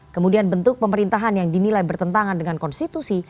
kemudian bentuk pemerintahan yang dinilai bertentangan dengan konstitusi